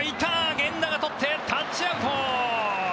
源田が捕ってタッチアウト。